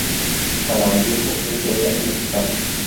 Para Vallejo esto era inaceptable.